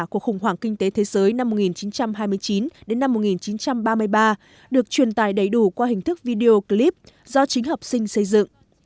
cuộc khủng hoảng kinh tế thế giới năm một nghìn chín trăm hai mươi chín đến năm một nghìn chín trăm ba mươi ba được truyền tài đầy đủ qua hình thức video clip do chính học sinh xây dựng